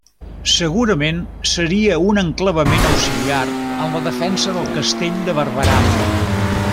Segurament seria un enclavament auxiliar en la defensa del Castell de Barberà.